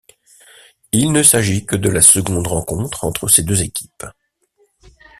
Il ne s'agit que de la seconde rencontre entre ces deux équipes.